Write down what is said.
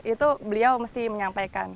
itu beliau mesti menyampaikan